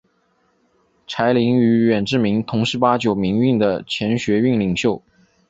柴玲与远志明同是八九民运的前学运领袖。